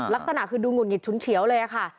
ลักษณะคือดูหุดหงิดฉุนเฉียวเลยค่ะ